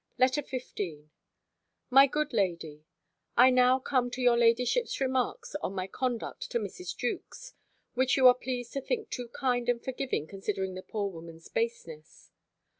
B. LETTER XV MY GOOD LADY, I now come to your ladyship's remarks on my conduct to Mrs. Jewkes: which you are pleased to think too kind and forgiving considering the poor woman's baseness.